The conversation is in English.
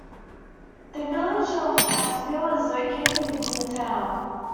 The Village of Cassville is located within the town.